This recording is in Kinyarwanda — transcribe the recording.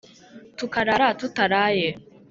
Tukarara tutaraye